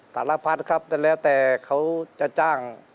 สารพัดครับแต่แล้วแต่เขาจะจ้าง